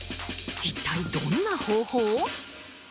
一体どんな方法？